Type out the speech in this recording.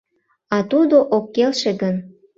— А тудо ок келше гын?